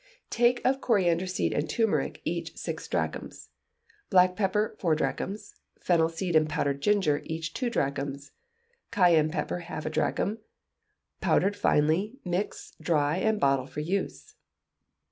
Take of coriander seed and turmeric, each six drachms; black pepper, four drachms; fennel seed and powdered ginger, each two drachms; cayenne pepper, half a drachm: powder finely, mix, dry, and bottle for use.